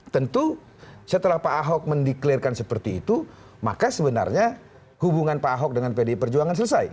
tentu setelah pak ahok mendeklirkan seperti itu maka sebenarnya hubungan pak ahok dengan pdi perjuangan selesai